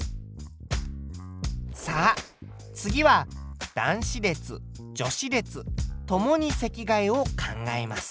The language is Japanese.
さあ次は男子列・女子列共に席替えを考えます。